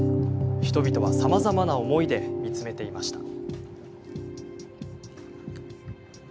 人々はさまざまな思いで見つめていました。